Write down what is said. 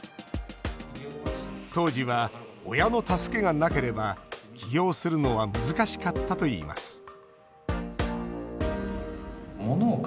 当時は、親の助けがなければ起業するのは難しかったといいます